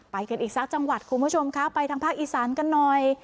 ไปกันอีกสักจังหวัดคุณผู้ชมคะไปทางภาคอีสานกันหน่อย